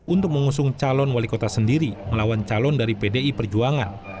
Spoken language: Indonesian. untuk mengusung calon wali kota sendiri melawan calon dari pdi perjuangan